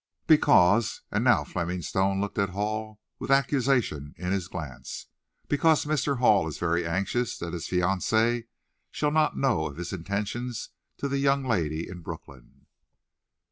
"Because," and now Fleming Stone looked at Hall with accusation in his glance "because Mr. Hall is very anxious that his fiancee shall not know of his attentions to the young lady in Brooklyn."